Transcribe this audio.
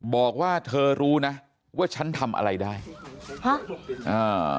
บอกว่าเธอรู้นะว่าฉันทำอะไรได้ฮะอ่า